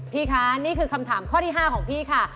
พี่คะนี่คือคำถามข้อที่๕ของพี่ค่ะ